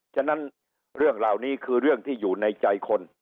ฉะนั้นเรื่องเหล่านี้คือเรื่องที่อยู่ในใจคน